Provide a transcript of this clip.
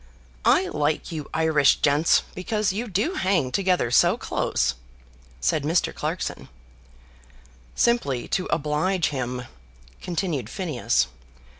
"I like you Irish gents because you do hang together so close," said Mr. Clarkson. "Simply to oblige him," continued Phineas.